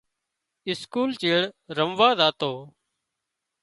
اسڪول چيڙ رموازاتو